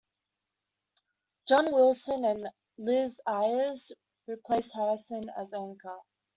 John Wilson and Liz Ayers replaced Harrison as anchor.